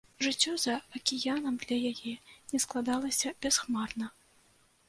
Жыццё за акіянам для яе не складалася бясхмарна.